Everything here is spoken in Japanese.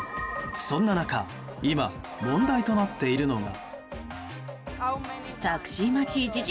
そんな中今、問題となっているのが。